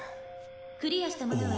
「クリアした者は」